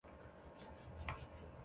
三巴旺的名称是来至。